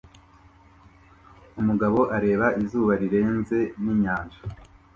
Umugabo areba izuba rirenze ninyanja